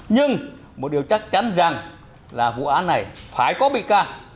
nhưng một điều chắc chắn rằng là vụ án này phải có bị ca